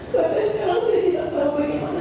setelah itu saya tidak tahu bagaimana